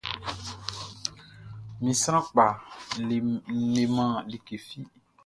Mi sran kpa n leman like fi.